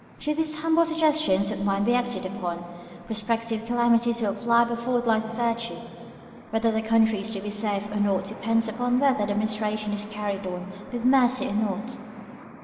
Should these humble suggestions of mine be acted upon, prospective calamities will fly before the light of virtue. Whether the country is to be safe or not depends upon whether the administration is carried on with mercy or not.